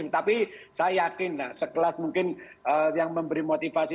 tapi saya yakin nah sekelas mungkin yang memberi motivasi